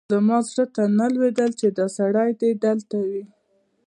زما زړه ته نه لوېدل چې دا سړی دې دلته وي.